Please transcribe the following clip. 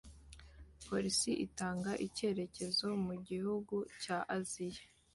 Polisi itanga icyerekezo mugihugu cya Aziya